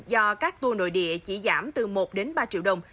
do các tour nội địa chỉ giảm từ một đến ba triệu đồng